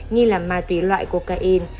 nghi là ma túy loại cocaine